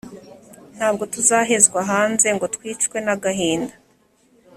Ntabwo tuzahezwa hanze ngo twicwe n’agahinda